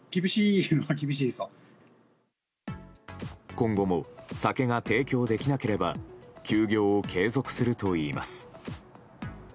今後も酒が提供できなければ休業を継続するといいます。